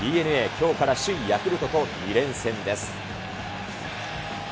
きょうから首位ヤクルトと２連戦です。